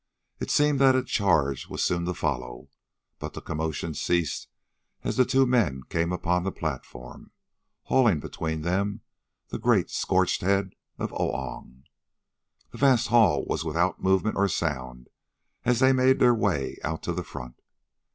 It seemed that a charge was soon to follow, but the commotion ceased as the two men come upon the platform, hauling between them the great scorched head of "Oong." The vast hall was without movement or sound as they made their way out to the front.